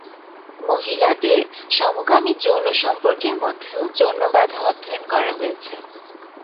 মহিলাদের সমকামী যৌন সম্পর্কের মধ্যেও যৌন বাধা অধ্যয়ন করা হয়েছে।